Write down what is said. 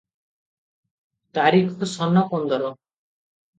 ତାରିଖ ସନ ପନ୍ଦର ।